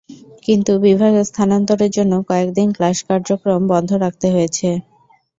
কিন্তু বিভাগ স্থানান্তরের জন্য কয়েক দিন ক্লাস কার্যক্রম বন্ধ রাখতে হয়েছে।